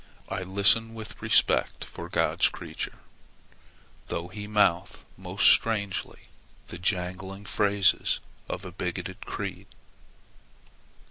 I listen with respect for God's creature, though he mouth most strangely the jangling phrases of a bigoted creed.